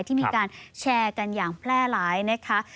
ที่มีการแชร์กันอย่างแพร่หลายนะคะ